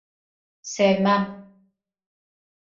Sevmem.